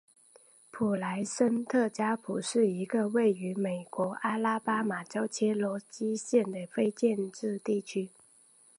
普莱森特加普是一个位于美国阿拉巴马州切罗基县的非建制地区。